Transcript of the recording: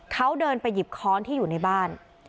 เขาเดินไปหยิบค้อนที่อยู่ในบ้าน